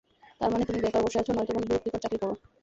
তার মানে, তুমি বেকার বসে আছো নয়তো কোনো বিরক্তিকর চাকরি করো।